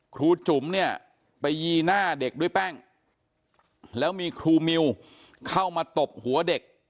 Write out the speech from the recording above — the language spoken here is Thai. ครูจุ๋มเนี่ยไปยีหน้าเด็กด้วยแป้งแล้วมีครูมิวเข้ามาตบหัวเด็ก